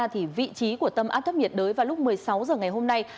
thì vị trí của tâm áp thấp nhiệt đới vào lúc một mươi sáu h ngày hôm nay